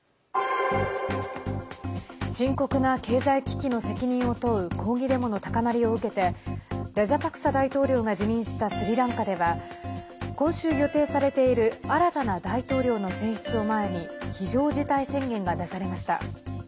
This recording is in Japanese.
深刻な経済危機の責任を問う抗議デモの高まりを受けてラジャパクサ大統領が辞任したスリランカでは今週、予定されている新たな大統領の選出を前に非常事態宣言が出されました。